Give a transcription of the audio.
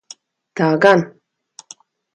Tā gan.